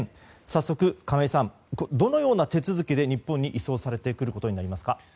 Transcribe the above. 早速、亀井さんどのような手続きで日本に移送されてくることになりますか？